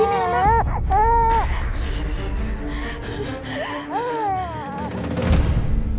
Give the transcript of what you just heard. iya mama di sini anak